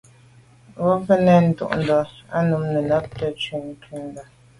Bwɔ́ŋkə́’ cɛ̌d nɛ̂n tûʼndá á nǔm nə̀ nàptə̌ jùp kghûndá.